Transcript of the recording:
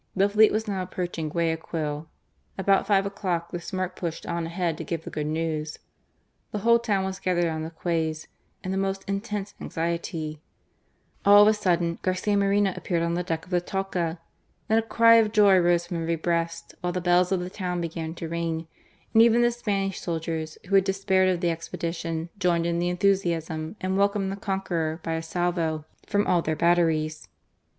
The fleet was now approaching Guayaquil. About five o'clock the Smyrk pushed on ahead to give the good news. The whole town was gathered on the quays in the most intense anxiety. All of a sudden, Garcia Moreno appeared on the deck of the Talca. Then a cry of joy rose from every breast, while the bells of the town began to ring, and even the Spanish sailors, who had despaired of the expedition, joined in the enthusiasm and welcomed the conqueror by a salvo from all their batteries.